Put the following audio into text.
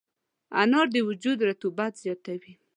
انار د وجود رطوبت زیاتوي.